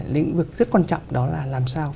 lĩnh vực rất quan trọng đó là làm sao